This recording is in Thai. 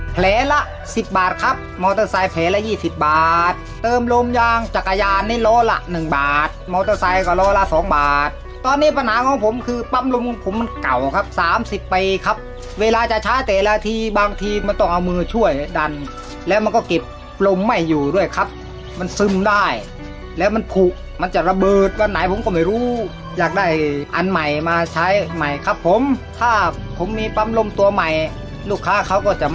แผลละสิบบาทครับมอเตอร์ไซด์แผลละยี่สิบบาทเติมลมยางจักรยานนี้ล้อละหนึ่งบาทมอเตอร์ไซด์ก็ล้อละสองบาทตอนนี้ปัญหาของผมคือปั๊มลมผมมันเก่าครับสามสิบไปครับเวลาจะช้าแต่ละทีบางทีมันต้องเอามือช่วยดันแล้วมันก็เก็บลมไม่อยู่ด้วยครับมันซึมได้แล้วมันผุมันจะระเบิดวันไหนผมก็